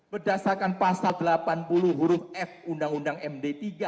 berdasarkan pasal delapan puluh huruf f undang undang md tiga